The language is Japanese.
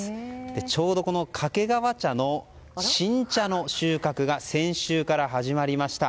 ちょうど掛川茶の新茶の収穫が先週から始まりました。